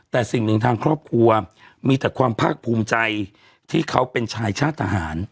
แต่สิ่งหนึ่งทางครอบครัวมีแต่ความภาคภูมิใจที่เขาเป็นชายชาติทหาร